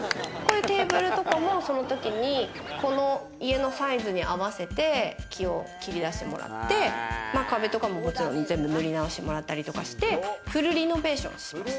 テーブルとかも、その時に家のサイズに合わせて木を切り出してもらって、壁とかも塗り直してもらったりとかしてフルリノベーションしました。